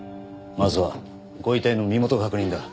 まずはご遺体の身元確認だ。